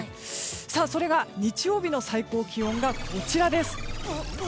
それが日曜日の最高気温がこちらです。